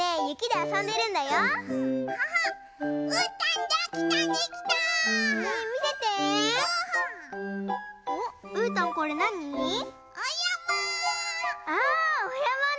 あおやまね。